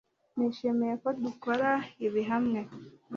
nishimiye ko dukora ibi hamwe